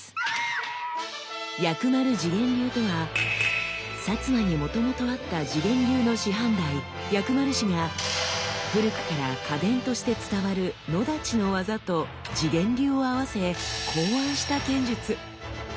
薬丸自顕流とは摩にもともとあった示現流の師範代薬丸氏が古くから家伝として伝わる野太刀の技と示現流を合わせ考案した剣術。